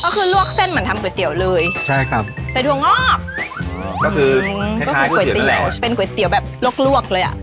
ก็คือลวกเส้นเหมือนทำก๋วยเตี๋ยวเลยใส่ถั่วงอกเป็นก๋วยเตี๋ยวแบบลวกเลยอ่ะ